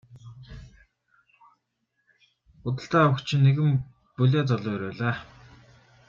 Худалдан авагч нь нэгэн булиа залуу эр байлаа.